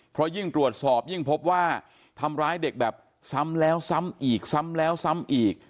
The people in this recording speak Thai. เพราะยิ่งตรวจสอบยิ่งพบว่าทำร้ายเด็กแบบซ้ำแล้วซ้ำอีกซ้ำแล้วซ้ำอีก